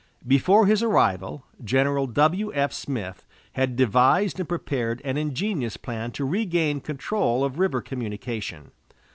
Before his arrival, General W.F. Smith had devised and prepared an ingenious plan to regain control of river communication.